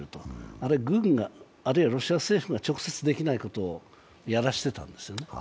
あるいは軍があるいはロシア政府が直接できないことをやらせてたんですよね。